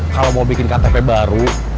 kalau mau bikin ktp baru